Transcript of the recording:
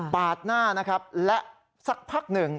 หน้านะครับและสักพักหนึ่ง